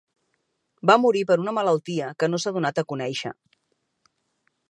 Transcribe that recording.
Va morir per una malaltia que no s’ha donat a conèixer.